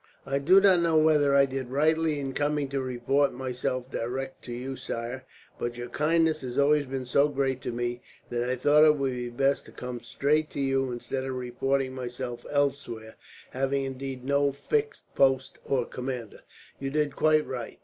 "I did not know whether I did rightly in coming to report myself direct to you, sire; but your kindness has always been so great to me that I thought it would be best to come straight to you, instead of reporting myself elsewhere, having indeed no fixed post or commander." "You did quite right.